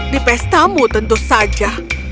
di pestamu tentu saja